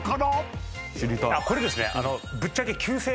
これですね。